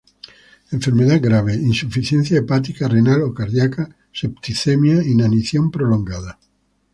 Enfermedad grave: insuficiencia hepática, renal o cardiaca; septicemia, inanición prolongada.